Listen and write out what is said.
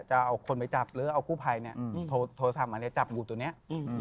จะเอาคนไปจับหรือเอากู้ภัยเนี่ยโทรศัพท์มาเลยจับงูตัวนี้